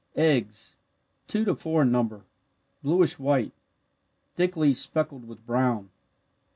Eggs two to four in number, bluish white, thickly speckled with brown.